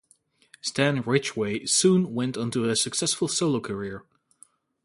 Stan Ridgway soon went on to a successful solo career.